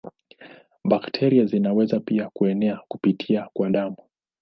Bakteria zinaweza pia kuenea kupitia kwa damu.